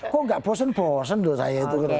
kok gak bosen bosen loh saya itu